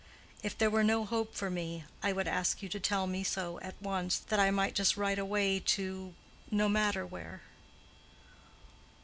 If there were no hope for me, I would ask you to tell me so at once, that I might just ride away to—no matter where."